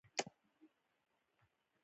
کور په لنډ وخت کې غټېږي.